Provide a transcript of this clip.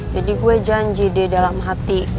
jadi gue janji deh dalam hati